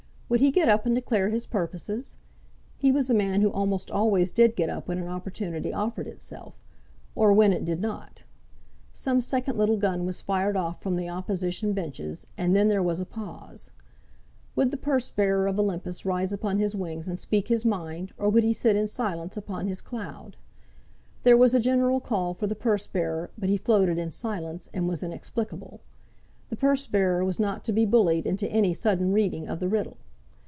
Would he get up and declare his purposes? He was a man who almost always did get up when an opportunity offered itself, or when it did not. Some second little gun was fired off from the Opposition benches, and then there was a pause. Would the purse bearer of Olympus rise upon his wings and speak his mind, or would he sit in silence upon his cloud? There was a general call for the purse bearer, but he floated in silence, and was inexplicable. The purse bearer was not to be bullied into any sudden reading of the riddle.